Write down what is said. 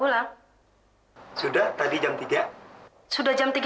ya sudah kalau begitu